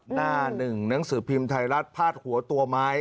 หน้าหนึ่งหนังสือพิมพ์ไทยรัฐพาดหัวตัวไม้